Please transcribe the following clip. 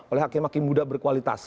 oleh hakim hakim muda berkualitas